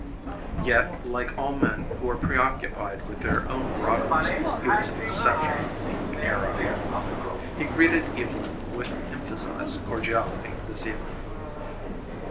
Yet, like all men who are preoccupied with their own broadness, he was exceptionally narrow. He greeted Evylyn with emphasized cordiality this evening.